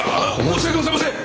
申し訳ございません！